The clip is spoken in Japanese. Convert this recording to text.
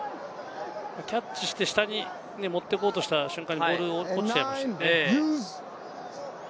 キャッチして下に持って行こうとした瞬間にボールが落ちちゃいましたね。